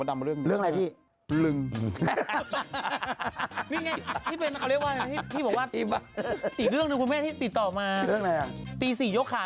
มาเพิ่งเตรียมทั้งคู่เดี๋ยวช่วงหน้ากลับมาครับ